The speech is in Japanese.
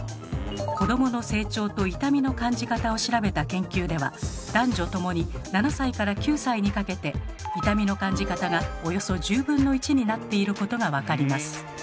子どもの成長と痛みの感じ方を調べた研究では男女共に７歳から９歳にかけて痛みの感じ方がおよそ１０分の１になっていることが分かります。